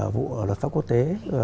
vụ ở luật pháp quốc tế